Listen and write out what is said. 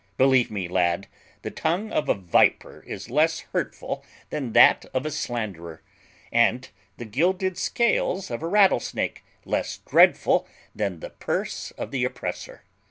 Believe me, lad, the tongue of a viper is less hurtful than that of a slanderer, and the gilded scales of a rattle snake less dreadful than the purse of the oppressor.